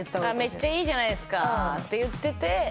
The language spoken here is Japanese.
「めっちゃいいじゃないですか」って言ってて。